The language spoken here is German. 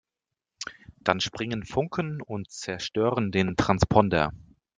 Dann springen Funken und zerstören den Transponder.